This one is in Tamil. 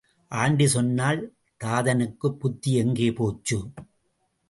ஆண்டி சொன்னால் தாதனுக்குப் புத்தி எங்கே போச்சு?